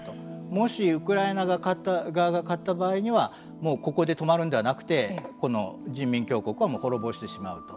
もしウクライナが勝った場合にはもうここで止まるんではなくてここの人民共和国を滅ぼしてしまうと。